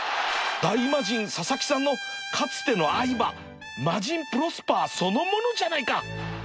大魔神佐々木さんのかつての愛馬マジンプロスパーそのものじゃないか